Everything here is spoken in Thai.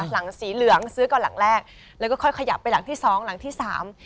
หลังสีเหลืองซื้อก่อนหลังแรกแล้วก็ค่อยขยับไปหลังที่สองหลังที่สาม